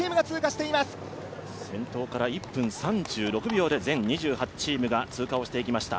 先頭から１分３６秒で全２８チームが通過をしていきました。